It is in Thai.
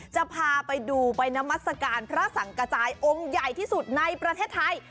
จะพาไปดูไปนามัศกาลพระสังกระจายองค์ใหญ่ที่สุดในประเทศไทย